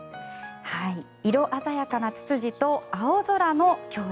色鮮やかなツツジと青空の共演。